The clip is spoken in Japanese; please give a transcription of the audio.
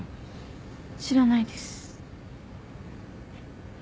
知らないです。